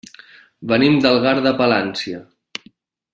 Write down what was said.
Venim d'Algar de Palància.